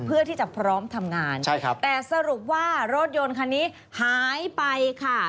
เพื่อที่จะพร้อมทำงานใช่ครับแต่สรุปว่ารถยนต์คันนี้หายไปค่ะ